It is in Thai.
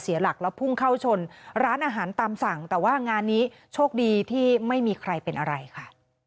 หลักแล้วพุ่งเข้าชนร้านอาหารตามสั่งแต่ว่างานนี้โชคดีที่ไม่มีใครเป็นอะไรค่ะ